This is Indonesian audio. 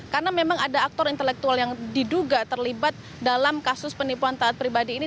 karena memang ada aktor intelektual yang diduga terlibat dalam kasus penipuan taat pribadi ini